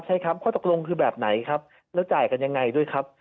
ใช่ครับข้อตกลงคือแบบไหนครับแล้วจ่ายกันยังไงด้วยครับ